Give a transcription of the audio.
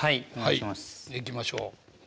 いきましょう。